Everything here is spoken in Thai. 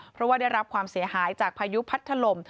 เพราะว่าได้รับความเสียหายจากพายุพัดถล่ม